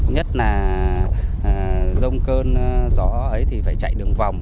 nhất là rông cơn gió ấy thì phải chạy đường vòng